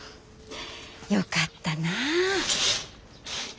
よかったな。